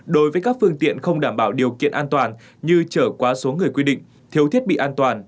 đối với các phương tiện không đảm bảo điều kiện an toàn như chở quá số người quy định thiếu thiết bị an toàn